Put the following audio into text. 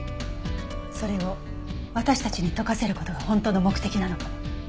それを私たちに解かせる事が本当の目的なのかも。